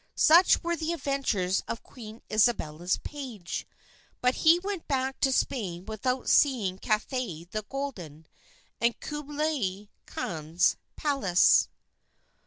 Such were the adventures of Queen Isabella's page. But he went back to Spain without seeing Cathay the Golden and Kublai Khan's palace.